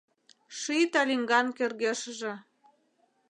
Ший талиҥган кӧргешыже